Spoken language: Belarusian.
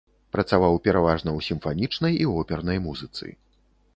Працаваў пераважна ў сімфанічнай і опернай музыцы.